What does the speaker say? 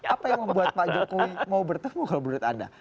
apa yang membuat pak jokowi mau bertemu kalau menurut anda